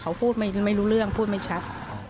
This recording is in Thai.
เขาพูดไม่รู้เรื่องพูดไม่ชัด